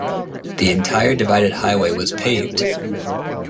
The entire divided highway was paved.